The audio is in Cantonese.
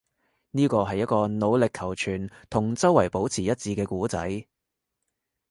呢個係一個努力求存，同周圍保持一致嘅故仔